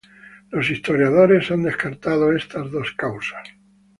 Los historiadores han descartado estas dos causas.